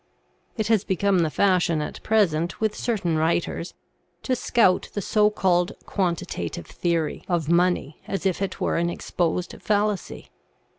It has become the fashion at present with certain writers to scout the so called "quantitative theory" of money as if it were an exposed fallacy.